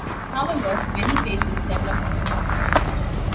However, many patients develop resistance.